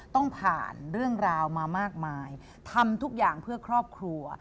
ต้องผ่านเรื่องราวมามากมายทำทุกอย่างเพื่อครอบครัว